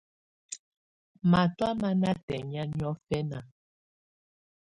Matɔ̀á má ná tɛŋɛ̀á niɔfɛna.